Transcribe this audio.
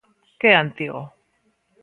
¡Que antigo!